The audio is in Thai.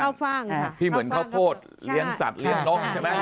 ฟ่างที่เหมือนข้าวโพดเลี้ยงสัตว์เลี้ยงนกใช่ไหม